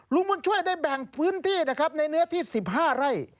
ลุงบุญช่วยได้แบ่งพื้นที่นะครับในเนื้อที่๑๕ไร่